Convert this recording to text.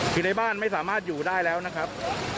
คือในบ้านไม่สามารถอยู่ได้แล้วนะครับ